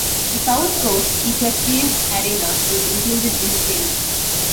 The South Coast Equestrian Arena was included in the sale.